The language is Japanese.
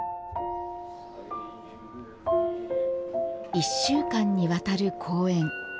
１週間にわたる公演。